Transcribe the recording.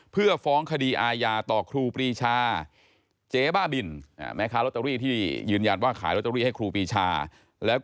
เพื่อฟ้องคดีอายาต่อครูปรีชา